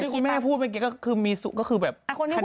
คนที่คุณแม่พูดเมื่อกี้ก็คือแบบ